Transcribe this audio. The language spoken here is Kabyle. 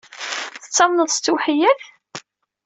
Tettamneḍ s ttewḥeyyat?